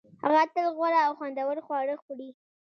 هغه تل غوره او خوندور خواړه خوري